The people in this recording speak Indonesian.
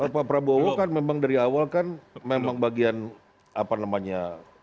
pak prabowo kan memang dari awal kan memang bagian apa namanya